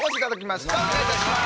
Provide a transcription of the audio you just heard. お願いいたします。